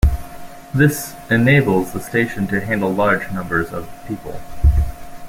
This enables the station to handle large numbers of people.